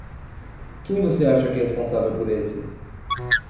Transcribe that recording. Quem você acha que é responsável por esse?